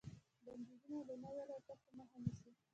بندیزونه د نویو الوتکو مخه نیسي.